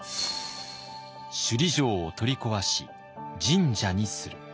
「首里城を取り壊し神社にする」。